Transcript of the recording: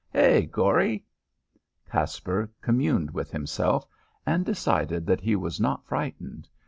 Hey, Gory!" Caspar communed with himself and decided that he was not frightened.